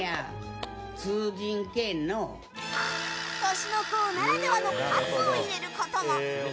年の功ならではの喝を入れることも。